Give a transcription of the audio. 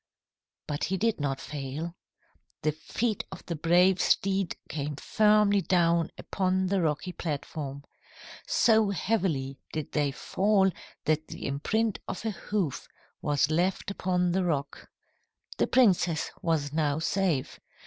"But he did not fail. The feet of the brave steed came firmly down upon the rocky platform. So heavily did they fall that the imprint of a hoof was left upon the rock. "The princess was now safe.